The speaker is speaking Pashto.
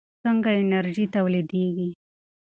څنګه انرژي تولیدېږي؟